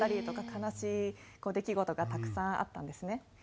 悲しい出来事がたくさんあったんですね。